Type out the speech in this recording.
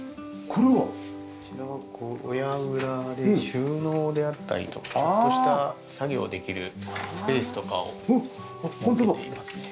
こちらは小屋裏で収納であったりとかちょっとした作業できるスペースとかを設けていますね。